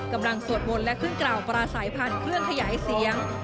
กำลังสวดบนและเครื่องกล่าวปราสายพันธ์เครื่องขยายเสียง